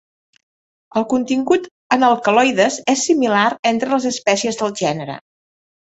El contingut en alcaloides és similar entre les espècies del gènere.